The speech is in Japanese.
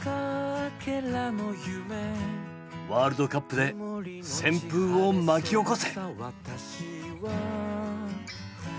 ワールドカップで旋風を巻き起こせ！